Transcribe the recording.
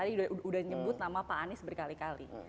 tadi udah nyebut nama pak anies berkali kali